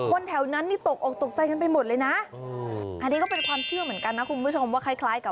แถวนั้นนี่ตกออกตกใจกันไปหมดเลยนะอันนี้ก็เป็นความเชื่อเหมือนกันนะคุณผู้ชมว่าคล้ายกับ